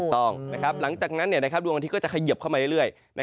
ถูกต้องนะครับหลังจากนั้นดวงอาทิตย์ก็จะเขยิบเข้ามาเรื่อย